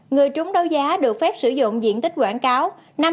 người chúng đấu giá được phép sử dụng diện tích quảng cáo